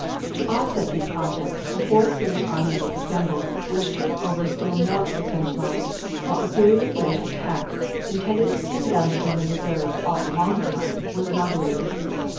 To offset these objects, a fourth British army was assembled, which took over still more of the French line, while a series of British attacks, intended to pin down the German reserves all along the line, was inaugurated.